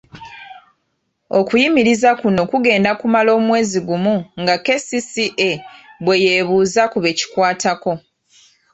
Okuyimiriza kuno kugenda kumala omwezi gumu nga KCCA bwe yeebuuza ku be kikwatako.